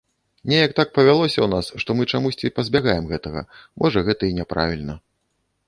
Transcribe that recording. Неяк так павялося ў нас, што мы чамусьці пазбягаем гэтага, можа, гэта і няправільна.